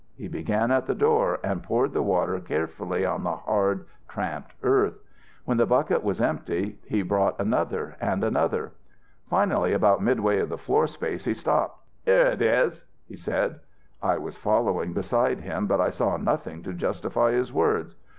He began at the door and poured the water carefully on the hard tramped earth. When the bucket was empty he brought another and another. Finally about midway of the floor space he stopped. "'Here it is!' he said. "I was following beside him, but I saw nothing to justify his words.